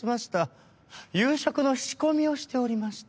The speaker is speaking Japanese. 夕食の仕込みをしておりました。